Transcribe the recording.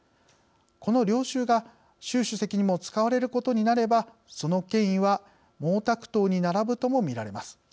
この領袖が習主席にも使われることになればその権威は毛沢東に並ぶともみられます。